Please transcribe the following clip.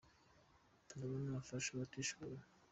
Ndoba afasha abatishoboye.